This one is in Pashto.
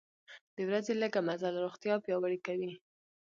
د ورځې لږه مزل روغتیا پیاوړې کوي.